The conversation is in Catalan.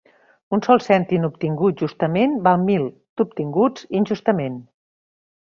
Un sol cèntim obtingut justament val mil d'obtinguts injustament.